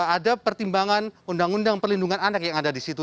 ada pertimbangan undang undang perlindungan anak yang ada di situ